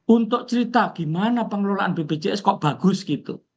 untuk cerita gimana pengelolaan bpjs kok bagus gitu